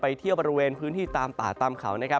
เที่ยวบริเวณพื้นที่ตามป่าตามเขานะครับ